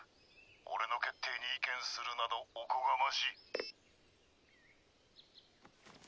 俺の決定に意見するなどおこがましい。